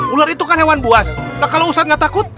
ular itu kan hewan buas nah kalau ustadz gak takut